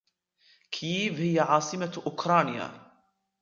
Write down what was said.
كييف هي عاصمة اوكرانيا.